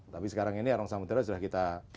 tapi sekarang ini arong samudera sudah kita